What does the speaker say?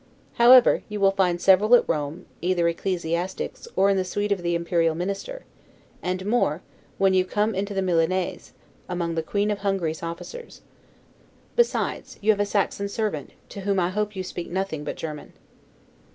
However, you will find several at Rome, either ecclesiastics, or in the suite of the Imperial Minister; and more, when you come into the Milanese, among the Queen of Hungary's officers. Besides, you have a Saxon servant, to whom I hope you speak nothing but German.